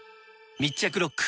密着ロック！